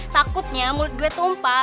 takutnya mulut gue tumpah